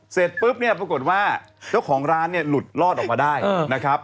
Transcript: เสร็จปุ๊บเนี่ยปรากฏว่าเจ้าของร้านเนี่ยหลุดรอดออกมาได้นะครับ